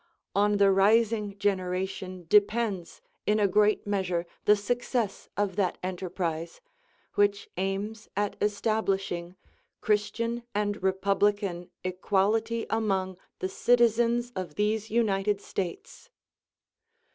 On the rising generation depends in a great measure the success of that enterprise, which aims at establishing Christian and Republican equality among the citizens of these United States.